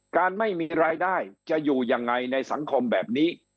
ไม่มีรายได้จะอยู่ยังไงในสังคมแบบนี้